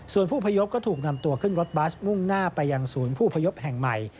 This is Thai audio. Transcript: ส่วนผู้พยพก็ถูกนำตัวขึ้นรถบัสมุ่งหน้าไปยังศูนย์ผู้พยพแห่งใหม่